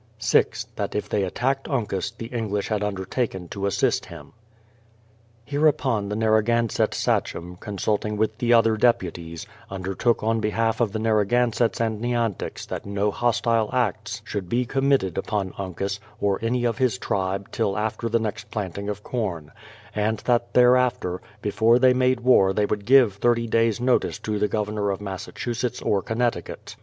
6. That if they attacked Uncas, the English had undertaken to assist him. Hereupon the Narragansett sachem, consulting with the other deputies, undertook on behalf of the Narragansetts and Nyanticks that no hostile acts should be committed upon THE PLYINIOUTH SETTLEMENT 329 Uncas or any of his tribe till after the next planting of corn ; and that thereafter, before they made war they would give 30 days' notice to the Governor of Massachusetts or Con necticut.